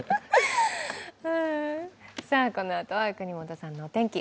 このあとは國本さんのお天気。